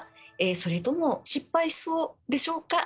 それとも失敗しそうでしょうか？